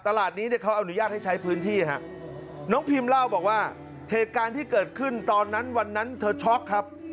ตลาดนี้เนี่ยเขาอนุญาตให้ใช้พื้นที่ฮะน้องพิมเล่าบอกว่าเหตุการณ์ที่เกิดขึ้นตอนนั้นวันนั้นเธอช็อกครับ